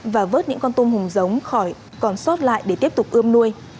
và vớt những con tôm hùm giống khỏi còn xót lại để tiếp tục ươm nuôi